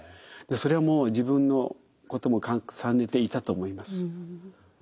それはもう自分のことも重ねていたと思います。